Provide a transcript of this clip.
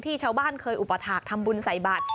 ชาวบ้านเคยอุปถาคทำบุญใส่บาท